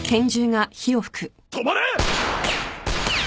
・止まれ！